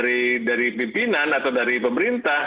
dari pimpinan atau dari pemerintah